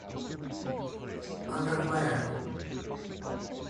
Under where?